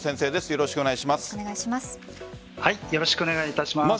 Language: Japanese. よろしくお願いします。